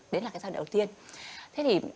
đấy là cái giai đoạn đầu tiên